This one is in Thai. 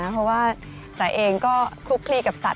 เพราะว่าสาเองก็คลุกคลีกับสัตว